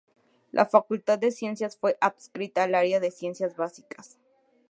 La Facultad de Ciencias fue adscrita al área de Ciencias Básicas.